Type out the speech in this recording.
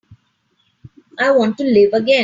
I want to live again.